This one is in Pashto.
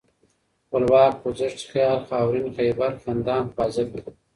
خپلواک ، خوځښت ، خيال ، خاورين ، خيبر ، خندان ، خوازک